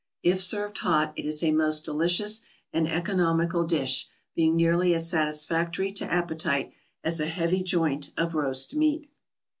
If served hot it is a most delicious and economical dish, being nearly as satisfactory to appetite as a heavy joint of roast meat.